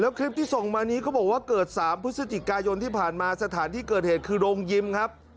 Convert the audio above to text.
คลิปที่ส่งมานี้เขาบอกว่าเกิด๓พฤศจิกายนที่ผ่านมาสถานที่เกิดเหตุคือโรงยิมครับ